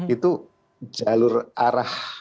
itu jalur arah